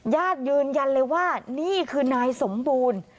ญาติยืนยันเลยว่านี่คือนายสมบูรณ์